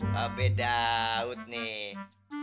pak be daud nih